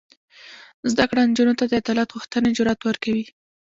زده کړه نجونو ته د عدالت غوښتنې جرات ورکوي.